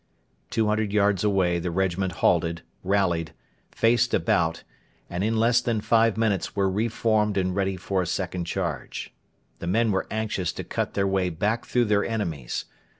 Two hundred yards away the regiment halted, rallied, faced about, and in less than five minutes were re formed and ready for a second charge. The men were anxious to cut their way back through their enemies.